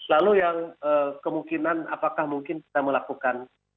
lalu yang kemungkinan apakah mungkin kita melakukan